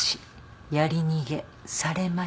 やり逃げされました。